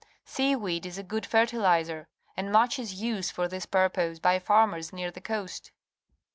Sea weed is a good fertilizer, and much is used for this purpose by farmers near the coast.